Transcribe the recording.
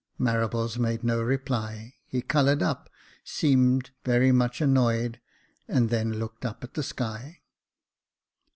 Marables made no reply ; he coloured up, seemed very much annoyed, and then looked up at the sky.